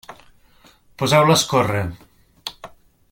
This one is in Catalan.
Poseu-la a escórrer.